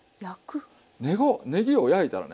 ねぎを焼いたらね